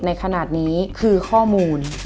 ในขณะนี้คือข้อมูล